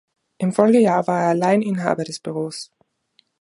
Im Folgejahr war er allein Inhaber des Büros.